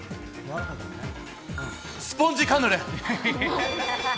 スポンジカヌレ。